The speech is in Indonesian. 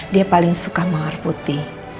dia paling suka mawar putih